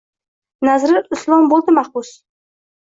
Nazrul Islom bo’ldi mahbus